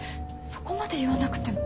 そこまで言わなくても。